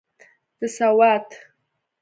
د سوات.